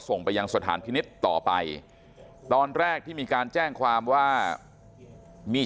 ส่งไปยังสถานพินิษฐ์ต่อไปตอนแรกที่มีการแจ้งความว่ามี